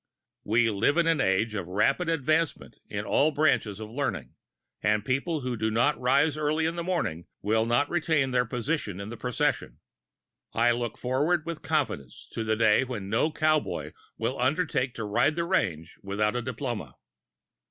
We live in an age of rapid advancement in all branches of learning, and people who do not rise early in the morning will not retain their position in the procession. I look forward with confidence to the day when no cowboy will undertake to ride the range without a diploma.